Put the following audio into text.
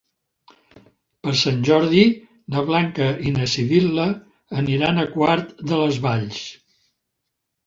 Per Sant Jordi na Blanca i na Sibil·la aniran a Quart de les Valls.